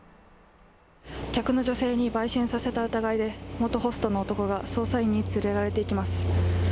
客の女性に売春させた疑いで、元ホストの男が捜査員に連れられていきます。